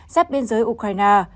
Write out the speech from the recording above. sắp biên giới ukraine